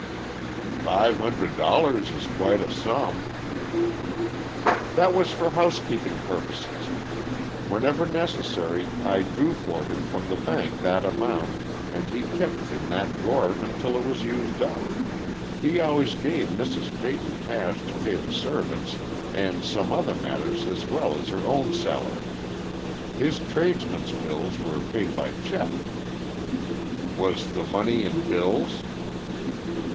"Five hundred dollars is quite a sum." "That was for housekeeping purposes. Whenever necessary, I drew for him from the bank that amount, and he kept it in that drawer until it was used up. He always gave Mrs. Peyton cash to pay the servants and some other matters as well as her own salary. His tradesman's bills were paid by check." "Was the money in bills?"